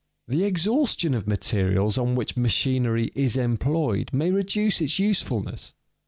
_ The exhaustion of materials on which machinery is employed may reduce its usefulness.